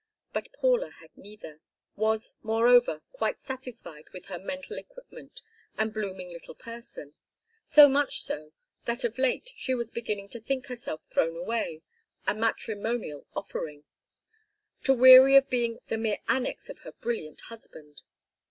But Paula had neither, was, moreover, quite satisfied with her mental equipment and blooming little person; so much so indeed that of late she was beginning to think herself thrown away, a matrimonial offering; to weary of being the mere annex of her brilliant husband.